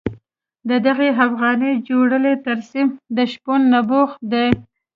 د دغې افغاني جولې ترسیم د شپون نبوغ دی.